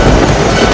itu udah gila